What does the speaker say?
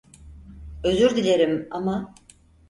Özür dilerim, ama…